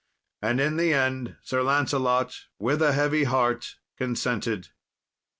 And in the end Sir Lancelot, with a heavy heart, consented.